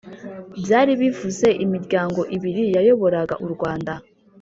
byari bivuze imiryango ibiri yayoboraga u rwanda